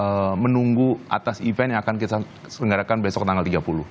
dan kita menunggu atas event yang akan kita sengarkan besok tanggal tiga puluh